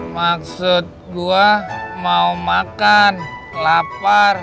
maksud gue mau makan lapar